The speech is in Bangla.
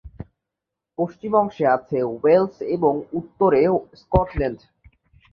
পশ্চিম অংশে আছে ওয়েলস এবং উত্তরে স্কটল্যান্ড।